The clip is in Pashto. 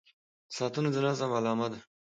• ساعتونه د نظم علامه ده.